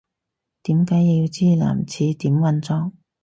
點解要知男廁點運作